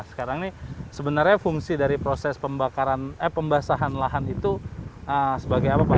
sekarang ini sebenarnya fungsi dari proses pembasahan lahan itu sebagai apa pak